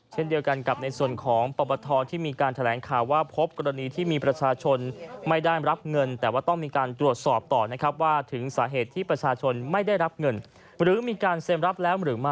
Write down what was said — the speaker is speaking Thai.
เช่นเดียวกันกับในส่วนของปปทที่มีการแถลงข่าวว่าพบกรณีที่มีประชาชนไม่ได้รับเงินแต่ว่าต้องมีการตรวจสอบต่อนะครับว่าถึงสาเหตุที่ประชาชนไม่ได้รับเงินหรือมีการเซ็นรับแล้วหรือไม่